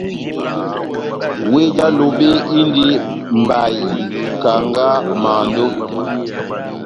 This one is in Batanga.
Wéh já Lobe indi mbayi, kanga, mando,